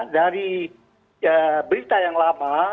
dari berita yang lama